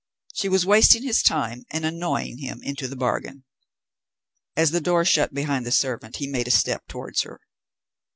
She was wasting his time and annoying him into the bargain. As the door shut behind the servant he made a step towards her.